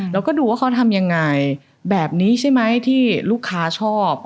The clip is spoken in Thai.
เราก็ดูว่าเขาทำยังไงแบบนี้ใช่ไหมที่ลูกค้าชอบ